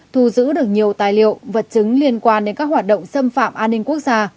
thu giữ được nhiều tài liệu vật chứng liên quan đến các hoạt động xâm phạm an ninh quốc gia